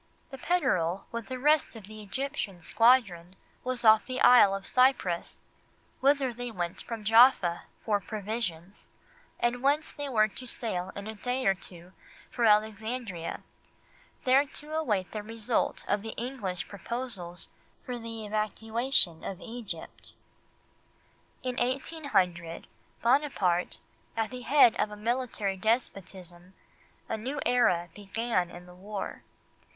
"The Petterel with the rest of the Egyptian squadron was off the Isle of Cyprus, whither they went from Jaffa for provisions, and whence they were to sail in a day or two for Alexandria, there to await the result of the English proposals for the evacuation of Egypt." In 1800, with Buonaparte at the head of a military despotism, a new era began in the war.